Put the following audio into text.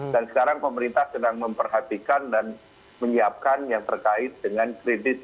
dan sekarang pemerintah sedang memperhatikan dan menyiapkan yang terkait dengan kredit